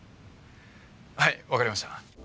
はいわかりました。